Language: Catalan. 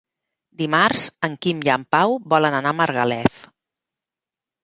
Dimarts en Quim i en Pau volen anar a Margalef.